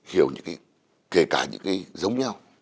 hiểu kể cả những cái giống nhau